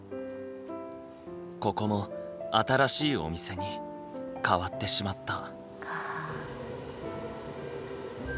ここも新しいお店に変わってしまった。